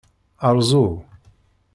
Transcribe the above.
Rzu.